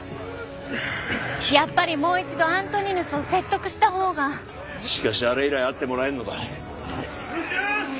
やっぱりもう一度アントニヌスを説得した方がしかしあれ以来会ってもらえんのだルシウス！